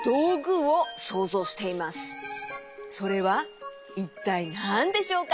それはいったいなんでしょうか？